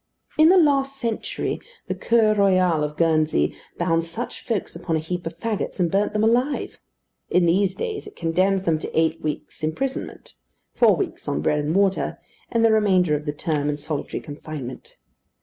In the last century, the Cour Royale of Guernsey bound such folks upon a heap of fagots and burnt them alive. In these days it condemns them to eight weeks' imprisonment; four weeks on bread and water, and the remainder of the term in solitary confinement.